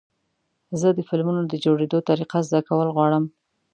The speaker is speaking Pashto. زه د فلمونو د جوړېدو طریقه زده کول غواړم.